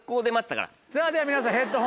さぁでは皆さん。